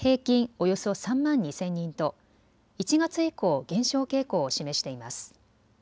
およそ３万２０００人と１月以降減少傾向を示しています。